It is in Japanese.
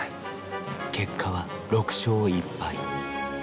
結果は６勝１敗。